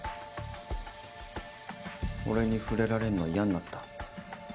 俺に触れられんの嫌になった？